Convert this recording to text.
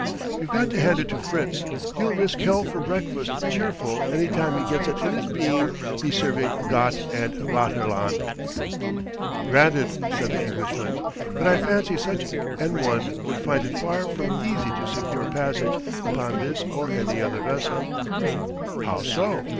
You've got to hand it to Fritz, he'll risk hell for breakfast cheerful any time he gets it in his bean he's serving Gott und Vaterland." "Granted," said the Englishman. "But I fancy such an one would find it far from easy to secure passage upon this or any other vessel." "How so?